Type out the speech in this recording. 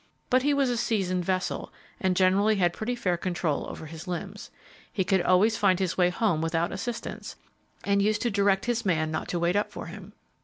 But he was a seasoned vessel, and generally had pretty fair control over his limbs. He could always find his way home without assistance, and used to direct his man not to wait up for him.